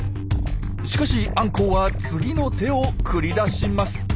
しかしアンコウは次の手を繰り出します。